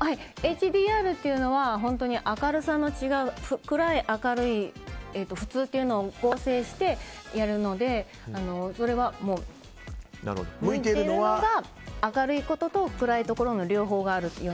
ＨＤＲというのは明るさの違う、暗い、明るい普通というのを合成してやるので向いているのが明るいところと暗いところの両方がある時。